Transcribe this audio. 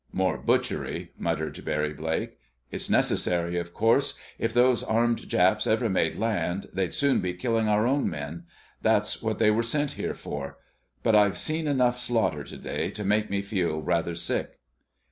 "More butchery!" muttered Barry Blake. "It's necessary, of course. If those armed Japs ever made land, they'd soon be killing our own men. That's what they were sent here for. But I've seen enough slaughter today to make me feel rather sick."